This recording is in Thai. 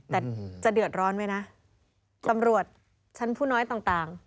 แต่จะเดือดร้อนไหมนะตำรวจชั้นผู้น้อยต่าง